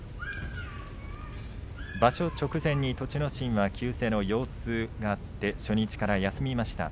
場所直前に栃ノ心は急性の腰痛があって初日から休みました。